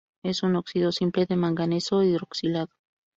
Es un óxido simple de manganeso, hidroxilado.